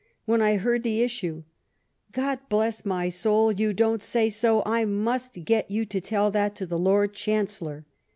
when I heard the issue :* God bless my soul, you don't say so ! I must get you to tell that to the Lord Chancellor.'